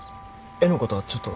絵のことはちょっと。